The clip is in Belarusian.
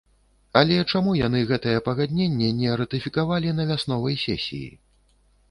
Але чаму яны гэтае пагадненне не ратыфікавалі на вясновай сесіі?